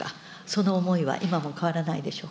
その思いは今も変わらないでしょ